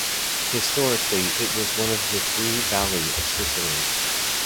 Historically, it was one of the three valli of Sicily.